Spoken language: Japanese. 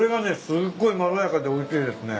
すっごいまろやかでおいしいですね。